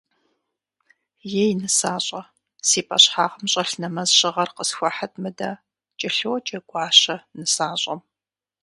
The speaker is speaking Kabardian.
Ей нысащӏэ, си пӏэщхьагъым щӏэлъ нэмэз щыгъэр къысхуэхьыт мыдэ, — кӏэлъоджэ Гуащэ нысащӏэм.